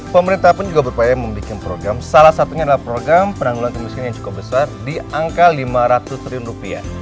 pemerintah pun juga berupaya membuat program salah satunya adalah program penanggulan kemiskinan yang cukup besar di angka lima ratus triliun rupiah